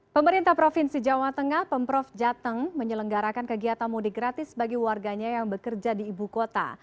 pemerintah provinsi jawa tengah pemprov jateng menyelenggarakan kegiatan mudik gratis bagi warganya yang bekerja di ibu kota